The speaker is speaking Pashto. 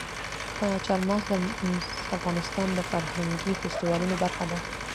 چار مغز د افغانستان د فرهنګي فستیوالونو برخه ده.